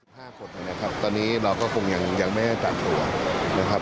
ห้าคนนะครับตอนนี้เราก็คงยังยังไม่ได้ตัดตัวนะครับ